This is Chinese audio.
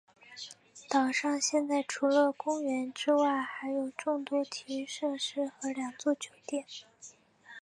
岛上现在除了公园之外还有众多体育设施和两座酒店。